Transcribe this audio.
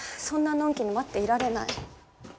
そんなのんきに待っていられない。